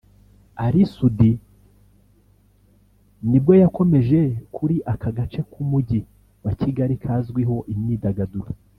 Ally Soudy ni bwo yakomoje kuri aka gace k’umujyi wa Kigali kazwiho imyidagaduro